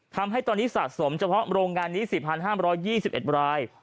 ทำให้ตอนนี้สะสมเฉพาะโรงงานนี้๔๕๒๑ราย